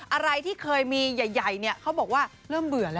อะไรที่เคยมีใหญ่เขาบอกว่าเริ่มเบื่อแล้ว